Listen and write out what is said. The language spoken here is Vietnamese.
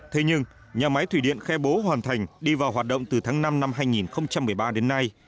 thế nhưng nhà máy thủy điện khe bố hoàn thành đi vào hoạt động từ tháng năm năm hai nghìn một mươi ba đến nay